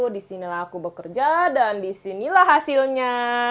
disinilah aku bekerja dan disinilah hasilnya